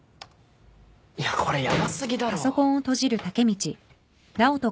いやこれヤバ過ぎだろ。